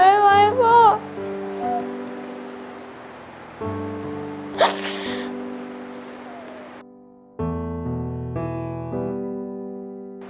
หายเร็วพ่อ